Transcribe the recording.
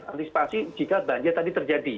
antisipasi jika banjir tadi terjadi